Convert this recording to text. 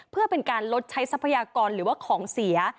เพื่อเป็นการลดใช้ทรัพยากรหรือว่าของเสีย